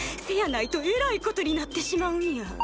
せやないとえらいことになってしまうんや。